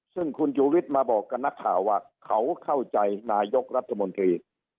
ซึ่งคุณชูวิทย์มาบอกกับนักข่าวว่าเขาเข้าใจนายกรัฐมนตรี